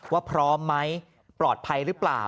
พร้อมไหมปลอดภัยหรือเปล่า